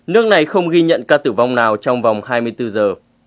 nước này không ghi nhận ca tử vong nào trong vòng hai mươi bốn giờ